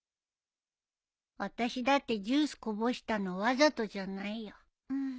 私だってジュースこぼしたのわざとじゃないよ。